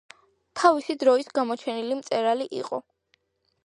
თავისი დროის გამოჩენილი მწერალი იყო.